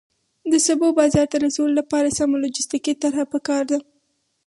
د سبو بازار ته رسولو لپاره سمه لوجستیکي طرحه پکار ده.